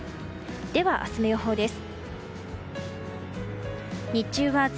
では明日の予報です。